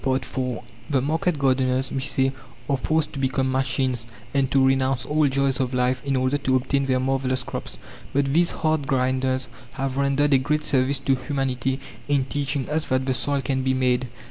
IV The market gardeners, we say, are forced to become machines and to renounce all joys of life in order to obtain their marvellous crops. But these hard grinders have rendered a great service to humanity in teaching us that the soil can be "made."